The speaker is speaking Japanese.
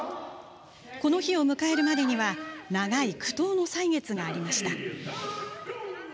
この日を迎えるまでには長い苦闘の歳月がありました。